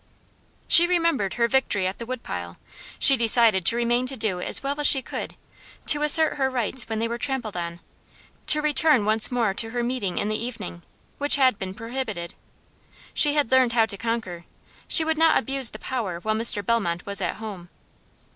She remembered her victory at the wood pile. She decided to remain to do as well as she could; to assert her rights when they were trampled on; to return once more to her meeting in the evening, which had been prohibited. She had learned how to conquer; she would not abuse the power while Mr. Bellmont was at home.